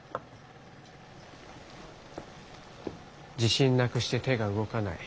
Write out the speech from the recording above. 自信なくして手が動かない。